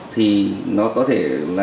thì nó có thể